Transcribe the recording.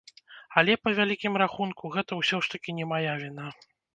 Але, па вялікім рахунку, гэта ўсё ж такі не мая віна.